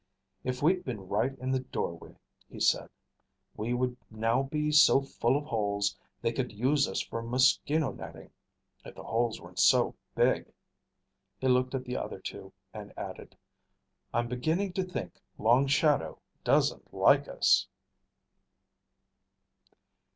"If we'd been right in the doorway," he said, "we would now be so full of holes they could use us for mosquito netting if the holes weren't so big." He looked at the other two and added, "I'm beginning to think Long Shadow doesn't like us."